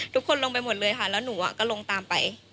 ทุกคนลงไปหมดเลยค่ะแล้วหนูก็ลงตามไป